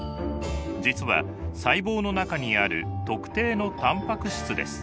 実は細胞の中にある特定のタンパク質です。